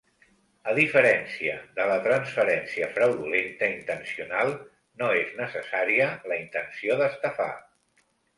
A diferència de la transferència fraudulenta intencional, no és necessària la intenció d'estafar.